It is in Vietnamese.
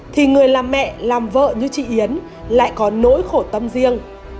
thì người làm mẹ làm vợ như chị yến lại có nỗi khổ tâm riêng